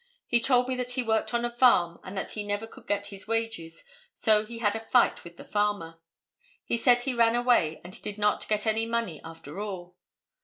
He told me that he worked on a farm and that he never could get his wages, so he had a fight with the farmer. He said he ran away and did not get any money after all.